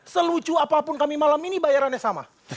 selucu apapun kami malam ini bayarannya sama